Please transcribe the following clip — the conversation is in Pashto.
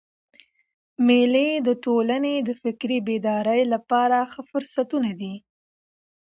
مېلې د ټولني د فکري بیدارۍ له پاره ښه فرصتونه دي.